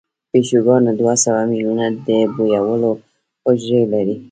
پیشوګان دوه سوه میلیونه د بویولو حجرې لري.